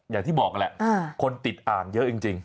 อย่างที่บอกแหละคนติดอ่านเยอะจริง